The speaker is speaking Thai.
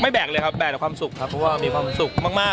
แบกเลยครับแบกแต่ความสุขครับเพราะว่ามีความสุขมาก